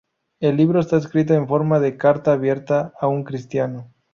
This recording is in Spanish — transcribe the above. El libro está escrito en forma de carta abierta a un cristiano.